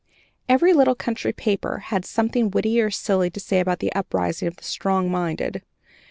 Every little country paper had something witty or silly to say about the uprising of the "strong minded."